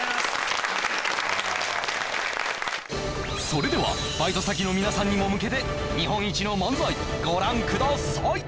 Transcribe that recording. それではバイト先の皆さんにも向けて日本一の漫才ご覧ください